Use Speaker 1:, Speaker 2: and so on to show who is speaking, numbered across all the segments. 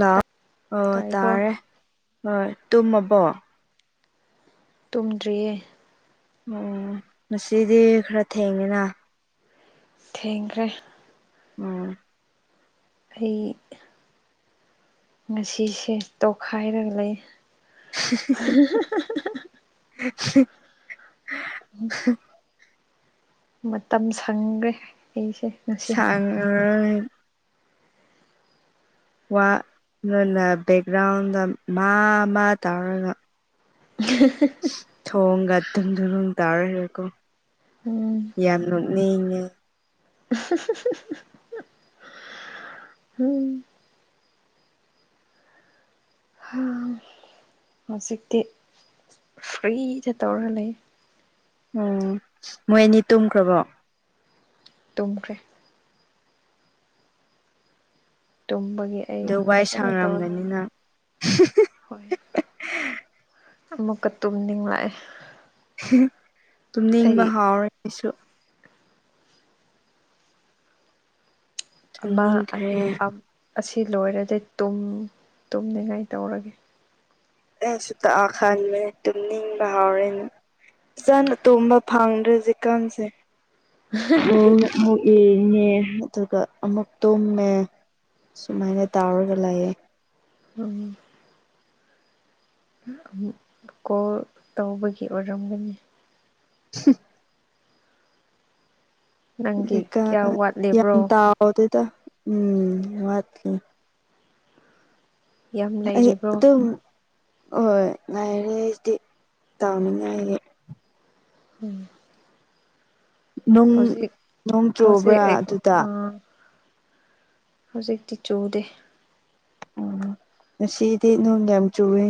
Speaker 1: ꯂꯥꯛꯑꯣ ꯑꯣ
Speaker 2: ꯇꯥꯏꯀꯣ
Speaker 1: ꯇꯥꯔꯦ ꯍꯣꯏ ꯇꯨꯝꯃꯕꯣ
Speaker 2: ꯇꯨꯝꯗ꯭ꯔꯤꯌꯦ
Speaker 1: ꯑꯣ ꯉꯁꯤꯗꯤ ꯈꯔ ꯊꯦꯡꯉꯤꯅ
Speaker 2: ꯊꯦꯡꯈ꯭ꯔꯦ
Speaker 1: ꯎꯝ
Speaker 2: ꯑꯩ ꯉꯁꯤꯁꯦ ꯇꯣꯈꯥꯏꯔꯒ ꯂꯩ
Speaker 1: [unintelligible]
Speaker 2: ꯎꯝ ꯃꯇꯝ ꯁꯪꯈ꯭ꯔꯦ ꯑꯩꯁꯦ ꯉꯁꯤ
Speaker 1: ꯁꯉ ꯋꯥ ꯅꯅ ꯕꯦꯛꯒ꯭ꯔꯥꯎꯟꯗ ꯃꯥ ꯃꯥ ꯇꯥꯔꯒ
Speaker 2: ꯍ
Speaker 1: ꯊꯣꯡꯒ ꯑꯗꯨꯪꯗ ꯑꯗꯨꯝ ꯇꯥꯔ ꯍꯔꯦꯀꯣ
Speaker 2: ꯎꯝ
Speaker 1: ꯌꯥꯔꯣꯅꯤ
Speaker 2: [unintelligible] ꯎꯝ ꯑꯝ ꯍꯧꯖꯤꯛꯇꯤ ꯐ꯭ꯔꯤꯗ ꯇꯧꯔ ꯂꯩ
Speaker 1: ꯑꯣ ꯃꯣꯏ ꯑꯅꯤ ꯇꯨꯝꯈ꯭ꯔꯕꯣ
Speaker 2: ꯇꯨꯝꯈ꯭ꯔꯦ ꯇꯨꯝꯕꯒꯤ ꯑꯩ
Speaker 1: ꯑꯗꯨ ꯋꯥꯏ
Speaker 2: ꯐꯖꯅ ꯇꯧ
Speaker 1: ꯁꯥꯡꯔꯝꯒꯅꯤ
Speaker 2: ꯂꯩ
Speaker 1: ꯅꯪ
Speaker 2: ꯍꯣꯏ ꯑꯃꯨꯛꯀ ꯇꯨꯝꯅꯤꯡ ꯂꯛꯑꯦ
Speaker 1: ꯇꯨꯝꯅꯤꯡꯕ ꯍꯥꯎꯔ ꯑꯩꯁꯨ
Speaker 2: ꯑꯃ
Speaker 1: ꯇꯨꯝꯅꯤꯡꯈ꯭ꯔꯦ
Speaker 2: ꯑꯁꯤ ꯂꯣꯏꯔꯗꯤ ꯇꯨꯝꯅꯤꯡꯉꯥꯏ ꯇꯧꯔꯒꯦ
Speaker 1: ꯑꯦ ꯁꯨꯇ ꯑꯈꯥꯟ ꯃ ꯇꯅꯤ ꯍꯔꯦꯟ ꯐꯅ ꯇꯣꯕ ꯐꯪꯗ꯭ꯔꯦ ꯆꯖꯤꯤꯀꯥꯟꯁꯦ ꯑꯣ ꯍꯧ ꯏꯡꯉꯦ ꯑꯗꯨꯒ ꯑꯃꯨꯛ ꯇꯨꯝꯃꯦ ꯁꯨꯃꯥꯏꯅ ꯇꯧꯔꯒ ꯂꯥꯛꯌꯦꯦ
Speaker 2: ꯎꯝ ꯑꯕꯨ ꯀꯣꯜ ꯇꯧꯕꯒꯤ ꯑꯣꯏꯔꯝꯒꯅꯤ
Speaker 1: ꯍ
Speaker 2: ꯅꯪꯒꯤ
Speaker 1: ꯀꯥ
Speaker 2: ꯀꯌꯥ
Speaker 1: ꯌꯥꯝ
Speaker 2: ꯋꯥꯠꯂꯤꯕ꯭ꯔꯣ
Speaker 1: ꯇꯥꯎꯗꯦꯗ ꯎꯝ ꯋꯥꯠꯂꯤꯦ
Speaker 2: ꯌꯥꯝ ꯂꯩꯔꯤꯕ꯭ꯔꯣ
Speaker 1: ꯍꯣꯏꯣꯏ ꯉꯥꯏꯔꯦꯗꯤ ꯇꯥꯎꯅꯤꯉꯥꯏꯌꯦ
Speaker 2: ꯎꯝ ꯍꯧꯖꯤꯛ
Speaker 1: ꯅꯣꯡ
Speaker 2: ꯍꯧꯖꯤꯛ
Speaker 1: ꯆꯨꯕ꯭ꯔꯥ
Speaker 2: ꯑꯩ
Speaker 1: ꯑꯗꯨꯗ
Speaker 2: ꯍꯧꯖꯤꯛꯇꯤ ꯆꯨꯗꯦ
Speaker 1: ꯎꯝ ꯉꯁꯤꯗꯤ ꯅꯣꯡ ꯌꯥꯝ ꯆꯨꯏ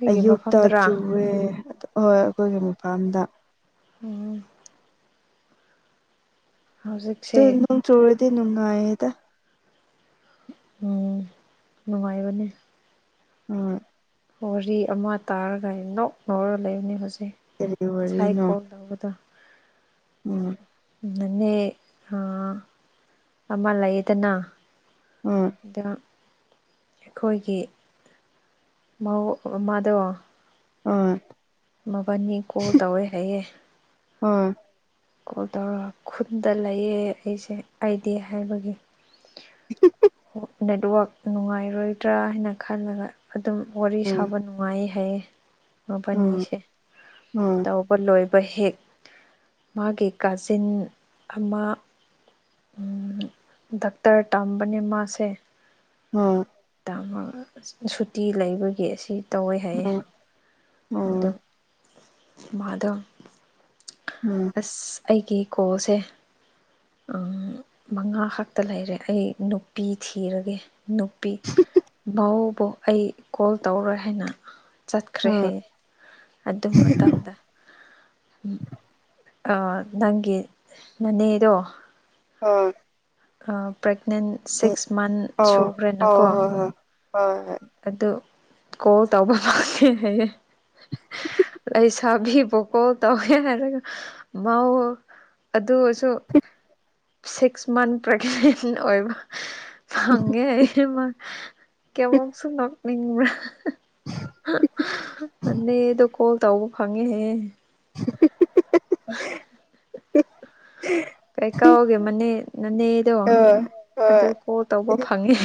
Speaker 2: ꯑꯩꯒꯤ
Speaker 1: ꯑꯌꯨꯛꯇ
Speaker 2: ꯃꯐꯝꯗꯔꯥ
Speaker 1: ꯆꯨꯔꯦ ꯍꯣꯏ ꯑꯩꯈꯣꯏꯒꯤ ꯃꯄꯥꯝꯗ
Speaker 2: ꯎꯝ ꯍꯧꯖꯤ
Speaker 1: ꯇ ꯅ ꯆꯧꯔꯗꯤ ꯅꯅꯨꯡꯅꯉꯌꯦ ꯇ
Speaker 2: ꯎꯝ ꯅꯨꯡꯉꯥꯏꯕꯅꯦ
Speaker 1: ꯎ
Speaker 2: ꯋꯥꯔꯤ ꯑꯃ ꯇꯥꯔꯒ ꯅꯣꯛ ꯉꯧꯔꯒ ꯂꯩꯕꯅꯤ ꯍꯧꯖꯤꯛ
Speaker 1: ꯀꯔꯤ
Speaker 2: ꯉꯁꯥꯏ
Speaker 1: ꯋꯥꯔꯤꯅꯣ
Speaker 2: ꯀꯣꯜ ꯂꯧꯕꯗꯣ
Speaker 1: ꯎꯝ
Speaker 2: ꯅꯅꯦ ꯑꯃ ꯂꯩꯌꯦꯗꯅ
Speaker 1: ꯎꯝ
Speaker 2: ꯑꯗ ꯑꯩꯈꯣꯏꯒꯤ ꯃꯧ ꯑꯃꯗꯣ
Speaker 1: ꯎꯝ
Speaker 2: ꯃꯕꯥꯅꯤ ꯀꯣꯜ ꯇꯧꯋꯦ ꯍꯥꯏꯌꯦ
Speaker 1: ꯎꯝ
Speaker 2: ꯀꯣꯜ ꯇꯧꯔꯒ ꯈꯨꯜꯗ ꯂꯩꯌꯦ ꯑꯩꯁꯦ ꯑꯩꯗꯤ ꯍꯥꯏꯕꯒꯤ
Speaker 1: [inaudible]
Speaker 2: ꯅꯦꯠꯋꯛ ꯅꯨꯡꯉꯥꯏꯔꯣꯏꯗ꯭ꯔꯥ ꯍꯥꯏꯅ ꯈꯜꯂꯒ ꯑꯗꯨꯝ ꯋꯥꯔꯤ
Speaker 1: ꯎꯝ
Speaker 2: ꯁꯥꯕ ꯅꯨꯡꯉꯥꯏ ꯅꯨꯡꯉꯥꯏ ꯍꯥꯏꯌꯦ
Speaker 1: ꯎꯝ
Speaker 2: ꯃꯕꯥꯅꯤꯁꯦ
Speaker 1: ꯎꯝ
Speaker 2: ꯇꯧꯕ ꯂꯣꯏꯕ ꯍꯦꯛ ꯃꯥꯒꯤ ꯀꯥꯖꯤꯟ ꯑꯃ ꯗꯥꯛꯇꯔ ꯇꯝꯕꯅꯦ ꯃꯥꯁꯦ
Speaker 1: ꯎꯝ
Speaker 2: ꯃ ꯁꯨꯇꯤ ꯂꯩꯕꯒꯤ ꯑꯁꯤ ꯇꯧꯋꯦ ꯍꯥꯏꯌꯦ
Speaker 1: ꯎꯝ
Speaker 2: ꯑꯗꯨꯝ
Speaker 1: ꯎꯝ
Speaker 2: ꯃꯗꯝ
Speaker 1: ꯎꯝ
Speaker 2: ꯑꯁ ꯑꯩꯒꯤ ꯀꯣꯁꯦ ꯃꯉꯥ ꯈꯛꯇ ꯂꯩꯔꯦ ꯑꯩ ꯅꯨꯄꯤ ꯊꯤꯔꯒꯦ ꯅꯨꯄꯤ ꯚꯎꯕꯨ ꯑꯩ ꯀꯣꯜ ꯇꯧꯔꯣꯏ ꯍꯥꯏꯅ ꯆꯠꯈ꯭ꯔꯦ
Speaker 1: ꯎꯝ
Speaker 2: ꯍꯥꯏꯌꯦ ꯑꯗꯨ ꯃꯇꯝꯗ ꯅꯪꯒꯤ ꯅꯅꯦꯗꯣ
Speaker 1: ꯑꯣ
Speaker 2: ꯄ꯭ꯔꯦꯒꯅꯦꯟ ꯁꯤꯛꯁ ꯃꯟꯠ
Speaker 1: ꯑ
Speaker 2: ꯁꯨꯈ꯭ꯔꯦꯅꯀꯣ
Speaker 1: ꯍꯣꯏ ꯍꯣꯏ ꯍꯣꯏ [inaudible]
Speaker 2: ꯑꯗꯨ ꯀꯣꯜ ꯇꯧꯕ ꯐꯪ [unintelligible] ꯍꯌꯦ ꯂꯩꯁꯥꯕꯤ ꯕꯣ ꯀꯣꯜ ꯇꯧꯒꯦ ꯍꯥꯏꯔꯒ ꯃꯧ ꯑꯗꯨ ꯑꯣꯏꯁꯨ ꯁꯤꯛꯁ ꯃꯟ ꯄ꯭ꯔꯒꯅꯦꯟ ꯑꯣꯏꯕ ꯐꯒꯦ ꯍꯥꯏ ꯀꯦꯃꯝꯁꯨꯨꯝ ꯅꯅꯤꯡꯕ꯭ꯔꯥ ꯃꯅꯤꯦ ꯑꯗꯨ ꯀꯣꯜ ꯇꯧꯕ ꯐꯪꯉꯦ ꯍ
Speaker 1: [inaudible]
Speaker 2: ꯀꯩ ꯀꯥꯎꯒꯦ ꯃꯅꯦ ꯅꯅꯦꯗꯣ
Speaker 1: ꯍꯣꯏ
Speaker 2: ꯑꯗꯨ
Speaker 1: ꯍꯣꯏ
Speaker 2: ꯑꯣ ꯇꯧꯕ ꯐꯪꯉꯦ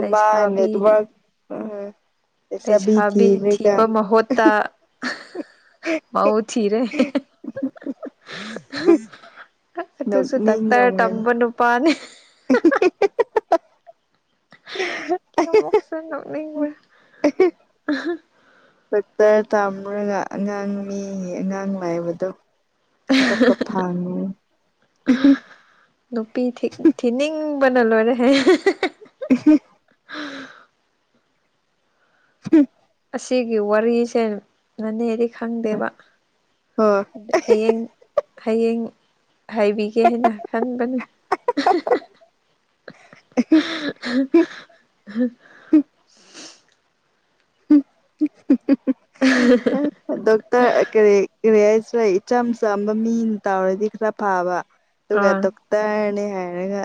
Speaker 2: ꯂꯩꯁꯥꯕꯤ
Speaker 1: ꯇꯃ ꯎ
Speaker 2: ꯂꯩꯁꯥꯕꯤ ꯊꯤꯕ ꯃꯍꯨꯠꯇ ꯃꯎ ꯊꯤꯔꯦ ꯇꯨꯁꯨ ꯗꯥꯛꯇꯔ
Speaker 1: ꯅꯣꯛꯅꯤꯡꯔꯝꯒꯅꯤ
Speaker 2: ꯇꯝꯕ ꯅꯨꯄꯥꯅꯦ
Speaker 1: [inaudible]
Speaker 2: ꯀꯃꯛꯁ ꯅꯅꯤ ꯃ
Speaker 1: ꯐꯛꯇꯔ ꯇꯥꯝꯃꯨꯔꯒ ꯑꯉꯥꯡ ꯃꯤ ꯑꯉꯥꯡ ꯂꯥꯏꯕꯗꯣ ꯂ ꯀ ꯐꯥꯉ
Speaker 2: ꯅꯨꯄꯤ ꯊꯤꯅꯤꯡꯕꯅ ꯂꯣꯏꯔꯦ ꯍꯥꯏ
Speaker 1: ꯎ ꯍꯝ
Speaker 2: ꯑꯁꯤꯒꯤ ꯋꯥꯔꯤꯁꯦ ꯅꯅꯦꯗꯤ ꯈꯪꯗꯦꯕ
Speaker 1: ꯍꯣꯏ
Speaker 2: ꯍꯌꯦꯡ ꯍꯌꯦꯡ ꯍꯥꯏꯕꯤꯒꯦ ꯍꯥꯏꯅ ꯈꯟꯕꯅꯦ [inaudible]
Speaker 1: ꯑ ꯗꯣꯛꯇꯔ ꯀꯔꯤ ꯀꯔꯤ ꯍꯥꯏꯁꯦ ꯏꯆꯝ ꯆꯝꯕ ꯃꯤꯅ ꯇꯧꯔꯗꯤ ꯈꯔ ꯐꯕ ꯇꯒ
Speaker 2: ꯑꯥ
Speaker 1: ꯗ ꯇ ꯍꯥꯏꯅꯤ ꯍꯥꯏꯅꯒ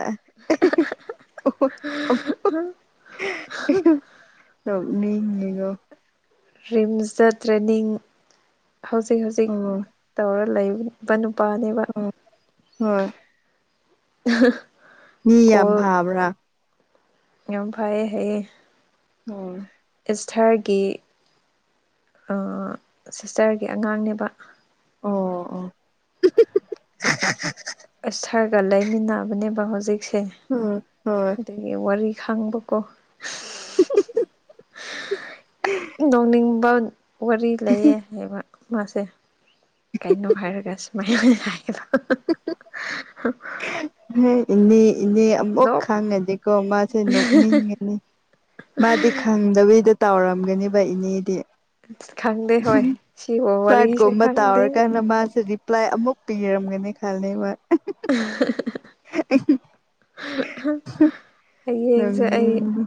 Speaker 1: ꯅꯅꯤꯒꯣ
Speaker 2: ꯔꯤꯝꯁꯇ ꯆꯠꯇ꯭ꯔꯅꯤꯡ ꯍꯧꯖꯤꯛ ꯍꯧꯖꯤꯛ
Speaker 1: ꯑꯣ
Speaker 2: ꯇꯧꯔ ꯂꯩꯕꯅꯤ ꯕ ꯅꯨꯄꯥꯅꯦꯕ
Speaker 1: ꯑꯣ ꯍꯣꯏ ꯃꯤ
Speaker 2: ꯀꯣꯜ
Speaker 1: ꯌꯥꯝꯐꯥꯕ꯭ꯔꯥ
Speaker 2: ꯌꯥꯝ ꯐꯩꯌꯦ ꯍꯥꯏꯌꯦ
Speaker 1: ꯑꯣ [unintelligible]
Speaker 2: ꯏꯁꯊꯔꯒꯤ ꯁꯤꯁꯇꯔꯒꯤ ꯑꯉꯥꯡꯅꯦꯕ
Speaker 1: ꯑꯣ ꯑꯣ
Speaker 2: ꯏꯊꯥꯔꯒ ꯂꯩꯃꯤꯟꯅꯕꯅꯦꯕ ꯍꯧꯖꯤꯛꯁꯦ
Speaker 1: ꯍ ꯍꯣꯏ
Speaker 2: ꯑꯗꯒꯤ ꯋꯥꯔꯤ ꯈꯥꯡꯕꯀꯣ ꯅꯅꯤꯡꯕ ꯋꯥꯔꯤ ꯂꯩꯌꯦ ꯍꯥꯏꯕ ꯃꯥꯁꯦ ꯀꯩꯅꯣ ꯍꯥꯏꯔꯒ ꯁꯨꯃꯥꯏꯅ ꯑꯣꯏꯅ ꯍꯥꯏꯒꯂ [inaudible]
Speaker 1: ꯍ ꯏꯅꯦ ꯏꯅꯦ ꯑꯃꯨꯛ
Speaker 2: ꯅꯣꯛ
Speaker 1: ꯈꯪꯉꯗꯤꯀꯣ ꯃꯥꯁꯦ ꯅꯣꯛꯅꯤꯡꯒꯅꯤ ꯃꯥꯗꯤ ꯈꯪꯗꯕꯤꯒꯤꯗ ꯇꯥꯎꯔꯝꯒꯅꯦꯕ ꯏꯅꯦꯗꯤ
Speaker 2: ꯈꯪꯗꯦ ꯍꯣꯏ ꯁꯤꯕꯨ ꯋꯥꯔꯤꯁꯦ
Speaker 1: ꯐ꯭ꯂꯠꯒꯨꯝꯕ ꯇꯥ
Speaker 2: ꯈꯪꯗꯦ
Speaker 1: ꯑꯣꯏꯔ ꯀꯥꯟꯅ ꯃꯥꯁꯗꯤ ꯄ꯭ꯂꯥꯏ ꯑꯃꯨꯛ ꯄꯤꯔꯝꯒꯅꯤ ꯈꯜꯂꯤ ꯋꯥ
Speaker 2: [inaudible] ꯍꯌꯦꯡꯁꯦ ꯑꯩ
Speaker 1: ꯅꯣꯛꯅꯤꯡ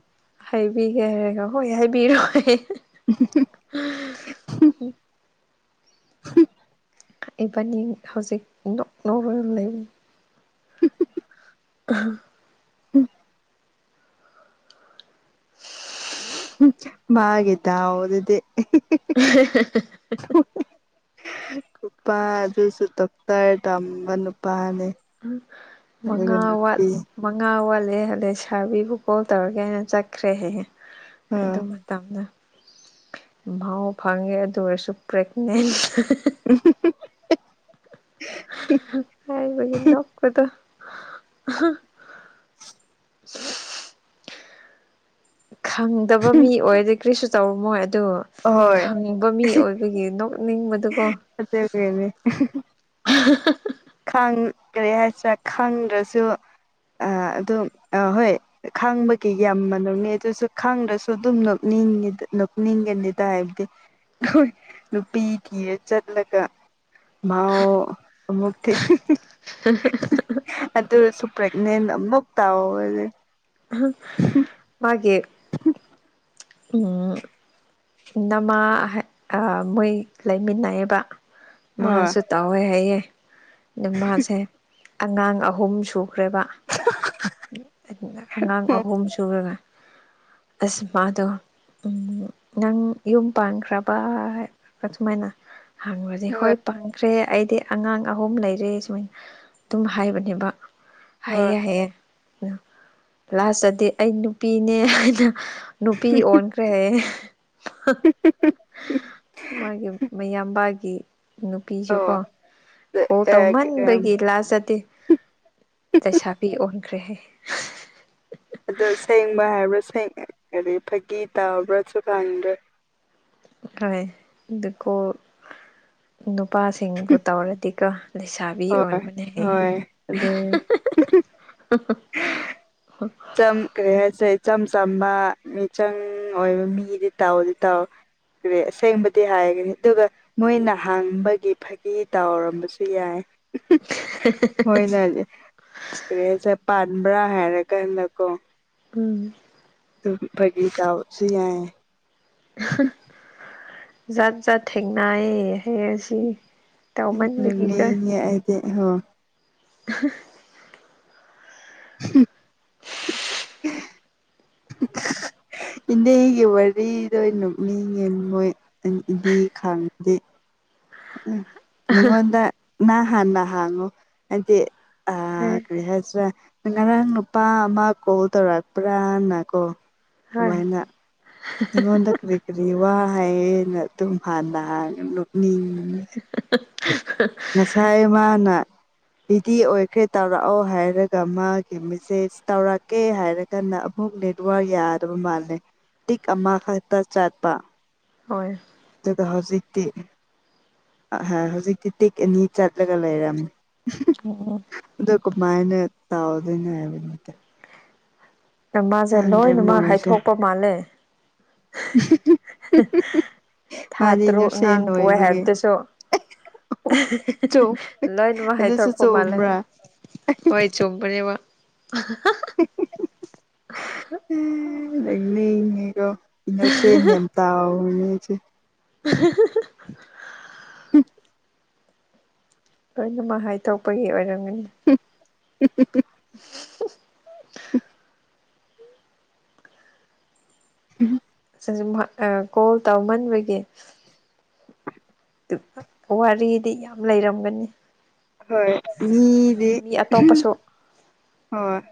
Speaker 2: ꯍꯥꯏꯕꯤꯒꯦ ꯍꯥꯏꯔꯒ ꯍꯣꯏ ꯍꯥꯏꯕꯤꯔꯣ ꯍꯥꯢꯌꯦ
Speaker 1: [inaudible]
Speaker 2: ꯏꯕꯥꯅꯤ ꯍꯧꯖꯤꯛ ꯅꯣꯛ ꯅꯧꯔꯒ ꯂꯩꯕꯅꯦ
Speaker 1: [inaudible]
Speaker 2: ꯑ [unintelligible]
Speaker 1: ꯍꯝ ꯍꯝ ꯃꯥꯒꯤ ꯗꯥꯎꯗꯨꯗꯤ
Speaker 2: ꯍ [unintelligible] [inaudible]
Speaker 1: ꯅꯨꯄꯥ ꯑꯗꯨꯁꯨ ꯗꯣꯛꯇꯔ ꯇꯝꯕ ꯅꯨꯄꯥꯅꯦ
Speaker 2: ꯎꯝ
Speaker 1: ꯑꯗꯨꯒ
Speaker 2: ꯃꯉꯥꯋꯥꯠ
Speaker 1: ꯅꯨꯄꯤ
Speaker 2: ꯃꯉꯥ ꯋꯥꯠꯂꯦ ꯑꯗꯩ ꯁꯥꯔꯕꯤꯕꯨ ꯀꯣꯜ ꯇꯧꯔꯒꯦ ꯍꯥꯢꯅ ꯆꯠꯈ꯭ꯔꯦ ꯍꯥꯢꯌꯦ
Speaker 1: ꯑꯥ
Speaker 2: ꯑꯗꯨ ꯃꯇꯝꯗ ꯏꯃꯥꯎ ꯐꯪꯉꯦ ꯑꯗꯨ ꯑꯣꯏꯔꯁꯨ ꯄ꯭ꯔꯦꯒꯅꯦꯟ
Speaker 1: ꯎꯝ [inaudible] [unintelligible]
Speaker 2: ꯑꯩꯕꯨꯗꯤ ꯅꯣꯛꯄꯗꯣ ꯈꯪꯗꯕ ꯃꯤ ꯑꯣꯏꯗꯤ ꯀꯔꯤꯁꯨ ꯇꯧꯔꯝꯃꯣꯏ ꯑꯗꯨ
Speaker 1: ꯑꯍꯣꯏ
Speaker 2: ꯈꯪꯕ ꯃꯤ ꯑꯣꯏꯕꯒꯤ ꯅꯤꯡꯕꯗꯨꯀꯣ
Speaker 1: ꯐꯠꯇ ꯀꯅꯦ [unintelligible]
Speaker 2: ꯎ [unintelligible] [inaudible]
Speaker 1: ꯈꯥꯡ ꯀꯔꯤ ꯍꯥꯏꯁꯤꯔꯥ ꯈꯪꯗ꯭ꯔꯁꯨ ꯑꯗꯨꯝ ꯍꯣꯏ ꯈꯥꯡꯕꯒꯤ ꯌꯥꯝ ꯃꯥꯝꯅꯕꯅꯤ ꯑꯗꯨꯁꯨ ꯈꯥꯡꯗ꯭ꯔꯁꯨ ꯑꯗꯨꯝ ꯅꯣꯛꯅꯤꯡ ꯅꯣꯛꯅꯤꯡꯒꯅꯤꯗ ꯍꯥꯏꯕꯗꯤ ꯅꯨꯄꯤ ꯊꯤꯔ ꯆꯠꯂꯒ ꯃꯥꯎ ꯑꯃꯨꯛ [inaudible]
Speaker 2: ꯍ [unintelligible] [inaudible]
Speaker 1: ꯑꯗꯨꯁꯨ ꯄ꯭ꯔꯒꯅꯦꯟ ꯑꯃꯨꯛ ꯊꯧꯔꯗꯤ ꯁꯨ [unintelligible] [inaudible]
Speaker 2: ꯃꯥꯒꯤ ꯎꯝ ꯅꯃꯥ ꯃꯣꯏ ꯂꯩꯃꯤꯟꯅꯩꯑꯕ
Speaker 1: ꯍꯣꯏ
Speaker 2: ꯃꯥꯁꯨ ꯇꯥꯎꯋꯦ ꯍꯥꯏꯩꯌꯦꯦ ꯑ ꯃꯥꯁꯦ ꯑꯉꯥꯡ ꯑꯍꯨꯝ ꯁꯨꯈ꯭ꯔꯦꯕ ꯑꯉꯥꯡ ꯑꯍꯨꯝ ꯁꯨꯔꯒ ꯑꯁ ꯃꯥꯗꯣ ꯎ ꯅꯪ ꯌꯨꯝ ꯄꯥꯟꯈ꯭ꯔꯕ ꯍꯥꯏ ꯁꯨꯃꯥꯏꯅ ꯍꯥꯡꯕꯁꯦ ꯍꯣꯏ ꯄꯪꯈ꯭ꯔꯦ ꯑꯩꯗꯤ ꯑꯉꯥꯡ ꯑꯍꯨꯝ ꯂꯩꯔꯦ ꯁꯨꯃꯥꯏꯅ ꯑꯗꯨꯝ ꯍꯥꯏꯕꯅꯦꯕ
Speaker 1: ꯍꯣꯏ
Speaker 2: ꯍꯥꯏꯌꯦ ꯍꯥꯏꯌꯦ ꯂꯥꯁꯇꯗꯤ ꯑꯩ ꯅꯨꯄꯤꯅꯦ ꯑꯩꯅ ꯅꯨꯄꯤ ꯑꯣꯟ ꯐꯦ
Speaker 1: ꯎ
Speaker 2: ꯃꯥꯒꯤ ꯃꯌꯥꯝꯕꯥꯒꯤ ꯅꯨꯄꯤꯁꯨ
Speaker 1: ꯑꯣ
Speaker 2: ꯀꯣ ꯀꯣꯜ ꯇꯧꯃꯟꯕꯒꯤ ꯂꯥ ꯆꯠꯇꯦ ꯂꯩꯁꯥꯕꯤ ꯑꯣꯟꯈ꯭ꯔꯦꯍꯦ
Speaker 1: ꯑꯗꯣ ꯁꯦꯡꯕ ꯍꯥꯏꯕ꯭ꯔꯥ ꯀꯔꯤ ꯐꯥꯒꯤ ꯇꯧꯕ꯭ꯔꯥꯁꯨ ꯈꯪꯗ꯭ꯔꯦ
Speaker 2: ꯍꯣꯏ ꯑꯗꯨꯀꯣ ꯅꯨꯄꯥꯁꯤꯡꯕꯨ ꯇꯧꯔꯗꯤꯀꯣ ꯂꯩꯁꯥꯕꯤ
Speaker 1: ꯍꯣꯏ
Speaker 2: ꯑꯣꯟꯕꯅꯦ
Speaker 1: ꯍꯣꯏ ꯑꯗꯩ ꯏꯆꯝ ꯀꯔꯤ ꯍꯥꯏꯁꯦ ꯏꯆꯝ ꯆꯝꯕ ꯃꯤꯆꯪ ꯑꯣꯏꯕ ꯃꯤꯗꯤ ꯇꯥꯎꯑꯣꯗꯤ ꯇꯥꯎ ꯀꯔꯤ ꯑꯁꯦꯡꯕꯗꯤ ꯍꯥꯏꯈ꯭ꯔꯦ ꯑꯗꯨꯒ ꯃꯣꯏꯅ ꯍꯥꯡꯕꯒꯤ ꯐꯥꯒꯤ ꯇꯥꯎꯔꯝꯕꯁꯨ ꯌꯥꯏ ꯍꯣꯏꯅꯦ ꯀꯔꯤ ꯍꯥꯢꯁꯤꯔꯥ ꯄꯥꯟꯕ꯭ꯔꯥ ꯍꯥꯏꯔꯀꯥꯟꯗꯀꯣ
Speaker 2: ꯎꯝ
Speaker 1: ꯑꯗꯨꯝ ꯐꯒꯤ ꯇꯥꯎꯔꯁꯨ ꯌꯥꯏ
Speaker 2: ꯖꯥꯠ ꯖꯥꯠ ꯊꯦꯡꯅꯥꯑꯌꯦ ꯍꯌꯦꯁꯤ
Speaker 1: ꯍꯥꯏꯗꯤ [unintelligible]
Speaker 2: [unintelligible]
Speaker 1: [unintelligible]
Speaker 2: ꯑ
Speaker 1: ꯏꯟꯅꯦꯒꯤ ꯋꯥꯔꯤꯗ ꯅꯨꯅꯤ ꯌꯦꯡꯉꯣꯏ ꯏꯗꯤ ꯈꯥꯡꯗꯦ ꯎ ꯅꯉꯣꯟꯗ ꯅ ꯍꯥꯟꯅ ꯍꯥꯡꯉꯨ ꯍꯥꯏꯗꯤ ꯑ
Speaker 2: ꯍꯣꯏ
Speaker 1: ꯀꯔꯤꯍꯁ ꯉꯔꯥꯡ ꯅꯨꯄꯥ ꯑꯃ ꯀꯣꯜ ꯇꯧꯔꯛꯄ꯭ꯔꯥꯅꯀꯣ
Speaker 2: ꯍꯣꯏ
Speaker 1: ꯑꯗꯨꯃꯥꯏꯅ ꯑꯩꯉꯣꯟꯗ ꯀꯔꯤ ꯀꯔꯤ ꯋꯥ ꯍꯥꯏꯌꯦꯅ ꯑꯗꯨꯨꯝꯐꯥꯟꯗꯅꯤꯡ ꯉꯁꯥꯏ ꯃꯥꯅ ꯕꯤꯗꯤ ꯑꯣꯏꯈ꯭ꯔꯦ ꯇꯧꯔꯛꯑꯣ ꯍꯥꯏꯔꯒ ꯃꯥꯒꯤ ꯃꯦꯁꯦꯖ ꯇꯧꯔꯛꯀꯦ ꯍꯥꯏꯔ ꯀꯟꯅ ꯑꯃꯨꯛ ꯅꯦꯠꯋꯥꯔ ꯌꯥꯗꯕ ꯃꯥꯜꯂꯦ ꯇꯤꯛ ꯑꯃꯈꯛꯇ ꯆꯠꯄ
Speaker 2: ꯍꯣꯏ
Speaker 1: ꯑꯗꯨ ꯍꯧꯖꯤꯡꯇꯤ ꯑꯍ ꯍꯧꯖꯤꯛꯇꯤ ꯇꯤꯛ ꯑꯅꯤ ꯆꯠꯂꯒ ꯂꯩꯔꯝꯃꯦ
Speaker 2: ꯑꯣ
Speaker 1: ꯑꯗꯨꯗꯀꯣ ꯃꯥꯏꯅꯦ ꯇꯥꯎꯗꯅ ꯍꯥꯏꯕꯠꯇ
Speaker 2: ꯃꯥꯁꯦ ꯂꯣꯏꯅꯃꯛ ꯍꯥꯏꯊꯣꯛꯄ ꯃꯥꯜꯂꯦ
Speaker 1: ꯎ [unintelligible]
Speaker 2: ꯊꯥ ꯇꯔꯨꯛ
Speaker 1: ꯅꯨꯡꯁꯦ
Speaker 2: ꯑꯉꯥꯡ ꯄꯣꯛ
Speaker 1: ꯅꯣꯏꯕꯒꯤ
Speaker 2: ꯍꯥꯏꯕꯗꯨꯁꯨ
Speaker 1: ꯆꯨꯝ
Speaker 2: [unintelligible] ꯂꯣꯏꯅ ꯃꯍ ꯍꯥꯏ ꯊ
Speaker 1: ꯑꯗꯨꯁꯨ
Speaker 2: ꯀꯃꯜꯦ
Speaker 1: ꯆꯨꯝꯕ꯭ꯔꯥ
Speaker 2: ꯍꯣꯏ ꯆꯨꯝꯄꯅꯦꯕ
Speaker 1: ꯂꯩꯅꯤꯀꯣ ꯏꯟꯅꯔꯁ ꯅꯝ ꯇꯦ
Speaker 2: [unintelligible]
Speaker 1: ꯎ
Speaker 2: ꯂꯣꯏꯅꯃꯛ ꯍꯥꯏ ꯊꯣꯛꯣꯛꯄꯒꯤ ꯑꯣꯏꯔꯝꯒꯅꯤ
Speaker 1: ꯎꯝ ꯎꯝ ꯎ ꯎ
Speaker 2: [unintelligible]
Speaker 1: ꯎꯝ
Speaker 2: ꯀꯣꯜ ꯇꯧꯃꯟꯕꯒꯤ ꯑꯗꯨꯒ ꯋꯥꯔꯤꯗꯤ ꯌꯥꯝ ꯂꯩꯔꯝꯒꯅꯤ
Speaker 1: ꯍꯣꯏ ꯃꯤꯗꯤ
Speaker 2: ꯃꯤ ꯑꯇꯣꯞꯄꯁꯨ
Speaker 1: ꯍꯣꯏ [unintelligible]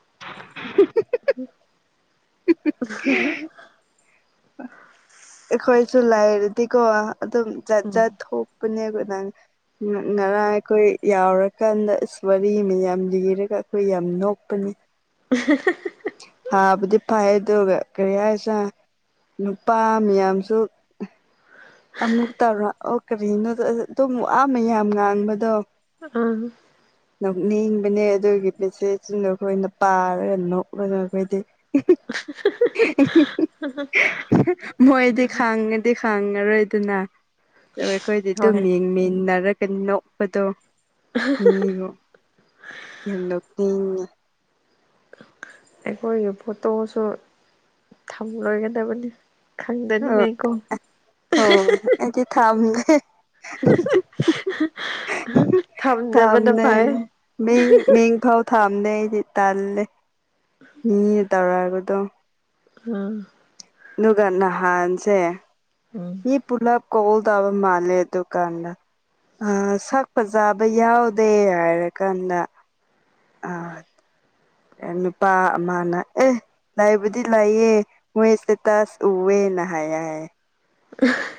Speaker 1: [unintelligible]
Speaker 2: [unintelligible]
Speaker 1: ꯑꯩꯈꯣꯏꯁꯨ ꯂꯩꯥꯏꯔꯗꯤꯀꯣ ꯑꯗꯨꯝ ꯖꯥꯠ ꯖꯥꯠ ꯊꯣꯛꯄꯅꯦꯀ ꯅꯪ ꯉꯔꯥꯡ ꯑꯩꯈꯣꯏ ꯌꯥꯎꯔꯀꯥꯟꯗ ꯑꯁ ꯋꯥꯔꯤ ꯃꯌꯥꯝ ꯂꯤꯔꯒ ꯑꯩꯈꯣꯏ ꯌꯥꯝ ꯅꯣꯛꯄꯅꯤ
Speaker 2: ꯎ [unintelligible]
Speaker 1: ꯊꯥꯕꯗꯤ ꯐꯩ ꯑꯗꯨꯒ ꯀꯔꯤ ꯍꯥꯏꯁ ꯅꯨꯄꯥ ꯃꯌꯥꯝꯁꯨ ꯑꯃꯨꯛ ꯇꯧꯔ ꯑꯣ ꯀꯔꯤꯅꯣ ꯑꯗꯨꯝ ꯋꯥꯃꯦꯌꯥꯝ ꯉꯥꯡꯕꯗꯣ
Speaker 2: ꯑꯥ
Speaker 1: ꯅꯣꯛꯅꯤꯡꯕꯅꯦ ꯑꯗꯨꯒꯤ ꯄꯦꯆꯦꯖꯁꯤꯗ ꯑꯩꯈꯣꯏꯅ ꯄꯥꯔꯒ ꯅꯣꯛꯂꯒ ꯑꯩꯈꯣꯏꯗꯤ ꯃꯣꯏꯗꯤ ꯈꯥꯡꯉꯉꯗꯤ ꯈꯥꯡꯉ ꯔꯣꯏ [unintelligible] ꯑꯗꯨꯅ ꯑꯩꯈꯣꯏꯗꯤ ꯑꯗꯨꯝ
Speaker 2: ꯍꯣꯏ
Speaker 1: ꯌꯦꯡꯃꯤꯟꯅꯔꯒ ꯅꯣꯛꯄꯗꯣ ꯃꯤꯔꯣ ꯌꯦꯛꯂꯛꯄꯒꯤꯅꯦ
Speaker 2: ꯑꯩꯈꯣꯏꯒꯤ ꯐꯣꯇꯣꯁꯨ ꯊꯝꯂꯣꯏꯒꯗꯕꯅꯤ ꯈꯪꯗꯗꯤ ꯀꯥꯏ ꯀꯣ [unintelligible]
Speaker 1: ꯑꯗꯨꯗꯤ ꯊꯥꯝꯗꯦ [unintelligible]
Speaker 2: ꯊꯝꯗꯕꯅ ꯐꯩ
Speaker 1: ꯊꯝꯅꯅꯦ ꯃ ꯃ ꯈꯥꯎ [unintelligible] ꯊꯝꯗꯦ ꯑꯩꯗꯤ ꯇꯥꯜꯂꯦ ꯃꯤꯅ ꯇꯧꯔꯛꯑꯒꯗꯣ
Speaker 2: ꯍꯥ
Speaker 1: ꯑꯗꯨꯒ ꯅꯍꯥꯟꯁꯦ
Speaker 2: ꯎꯝ
Speaker 1: ꯃꯤ ꯄꯨꯂꯥꯞ ꯀꯣꯜꯗꯥꯕ ꯃꯥꯂꯦ ꯑꯗꯨ ꯀꯥꯟꯗ ꯁꯛ ꯐꯖꯕ ꯌꯥꯎꯗꯦ ꯍꯥꯏꯔ ꯀꯥꯟꯗ ꯑꯥ ꯅꯨꯄꯥ ꯑꯃꯅ ꯑꯦ ꯂꯥꯏꯕꯨꯗꯤ ꯂꯥꯏꯌꯦ ꯃꯣꯏꯁꯦ ꯇꯥꯁ ꯎꯋꯦꯅ ꯍꯥꯏ ꯍꯥꯏꯌꯦ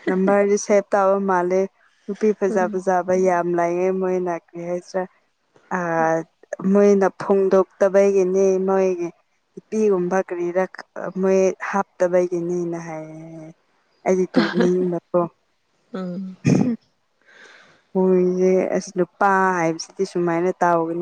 Speaker 1: ꯅꯝꯕꯔꯗꯤ ꯁꯦꯚ ꯇꯧꯕ ꯃꯥꯜꯂꯦ ꯅꯨꯄꯤ ꯐꯖ
Speaker 2: ꯎꯝ
Speaker 1: ꯐꯖ ꯚꯩ ꯌꯥꯝ ꯂꯥꯛꯌꯦ ꯃꯣꯏꯅ ꯀꯔ ꯍꯥꯏꯁꯤꯔꯥ ꯃꯣꯏꯅ ꯐꯣꯡꯗꯣꯛꯇꯕꯒꯤꯅꯤ ꯃꯣꯏꯒꯤ ꯅꯨꯄꯤꯒꯨꯝꯕ ꯀꯔꯤꯔ ꯃꯣꯏ ꯍꯥꯞꯇꯕꯒꯤꯅꯤꯅ ꯍꯥꯏ ꯑꯩꯗꯤ ꯇꯣꯛꯅꯤꯡꯕꯀꯣ [unintelligible] ꯍꯣꯏꯁꯦ ꯑꯁ ꯅꯨꯨꯄꯥ ꯍꯥꯏꯕꯁꯤꯗꯤ ꯁꯨꯃꯥꯏꯅ ꯇꯥꯎꯒꯅꯤ